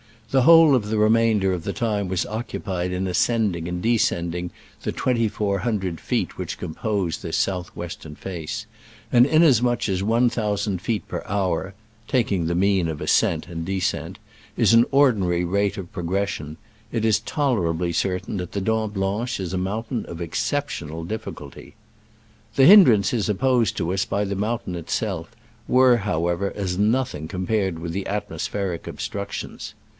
The whole of the remainder of the time was occupied in ascending and descending the twenty four hundred feet which compose this south western face ; and inasmuch as one thousand feet per hour (taking the mean of ascent and descent) is an ordinary rate of progres sion, it is tolerably certain that the Dent Blanche is a mountain of exceptional difficulty. The hindrances opposed to us by the mountain itself were, however, as noth ing compared with the atmospheric ob structions.